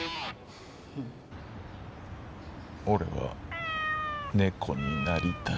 俺は猫になりたい。